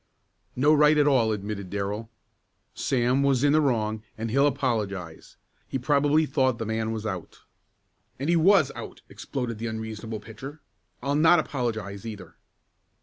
"No right at all," admitted Darrell. "Sam was in the wrong and he'll apologize. He probably thought the man was out." "And he was out!" exploded the unreasonable pitcher. "I'll not apologize, either."